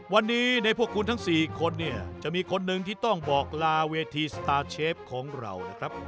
วันนี้ในพวกคุณทั้ง๔คนเนี่ยจะมีคนหนึ่งที่ต้องบอกลาเวทีสตาร์เชฟของเรานะครับ